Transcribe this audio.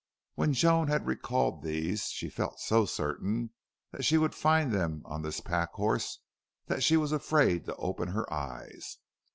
When Joan had recalled these, she felt so certain that she would find them on this pack horse that she was afraid to open her eyes.